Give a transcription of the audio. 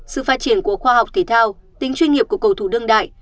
sự phát triển của khoa học thể thao tính chuyên nghiệp của cầu thủ đương đại